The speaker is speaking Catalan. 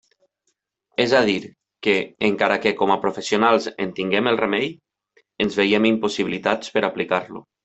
És a dir, que, encara que com a professionals en tinguem el remei, ens veiem impossibilitats per aplicar-lo.